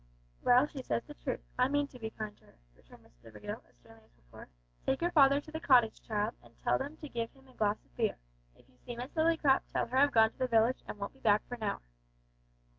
"Well, she says the truth. I mean to be kind to her," returned Miss Stivergill, as sternly as before. "Take your father to the cottage, child, and tell them to give him a glass of beer. If you see Miss Lillycrop, tell her I've gone to the village, and won't be back for an hour."